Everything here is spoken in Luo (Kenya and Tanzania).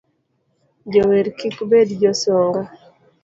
Jower kik bed josunga